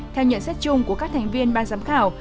theo nhận xét chung của các thành viên ban giám khảo